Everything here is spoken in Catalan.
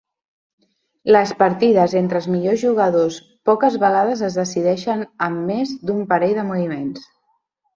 Les partides entre els millors jugadors poques vegades es decideixen amb més d'un parell de moviments.